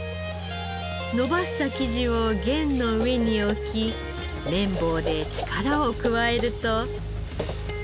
延ばした生地を弦の上に置き麺棒で力を加えると。